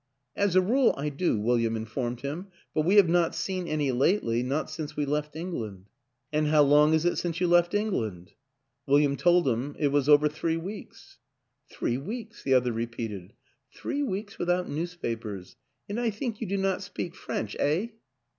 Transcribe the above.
" As a rule I do," William informed him, " but we have not seen any lately not since we left England." " And how long is it since you left England? " William told him it was over three weeks. " Three weeks," the other repeated, " three weeks without newspapers ... and I think you do not speak French, eh?